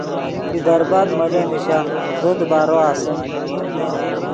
یو دربت مولو نیشا زو دیبارو اسیم